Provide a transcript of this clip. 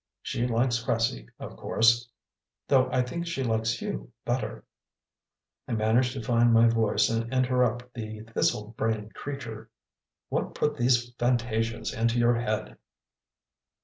She likes Cressie, of course, though I think she likes you better " I managed to find my voice and interrupt the thistle brained creature. "What put these fantasias into your head?"